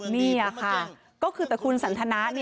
นี่ค่ะก็คือแต่คุณสันทนะ